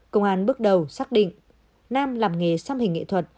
công an bước đầu xác định nam làm nghề xăm hình nghệ thuật